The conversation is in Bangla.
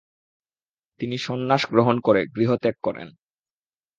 তিনি সন্ন্যাস গ্রহণ করে গৃহত্যাগ করেন।